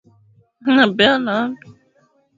ya kaskazini ya mabara ya Ulaya na Asia